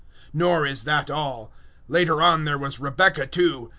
009:010 Nor is that all: later on there was Rebecca too.